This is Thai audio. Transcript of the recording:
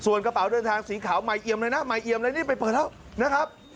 ส่วนกระเป๋าเดินทางสีขาวมัยเยี่ยมเลยดูนะครับนี่ไปเปิดแล้วนะครับ